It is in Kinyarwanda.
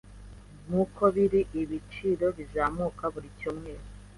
Nkuko biri, ibiciro bizamuka buri cyumweru.